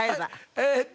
えっと